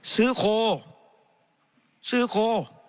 ซื้อโคซื้อโค